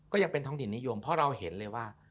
ก็เป็นท้องถิ่นนิยมเพราะเราเห็นเลยว่า